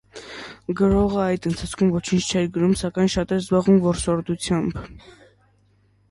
Գրողը այդ ընթացքում ոչինչ չէր գրում, սակայն շատ էր զբաղվում որսորդությամբ։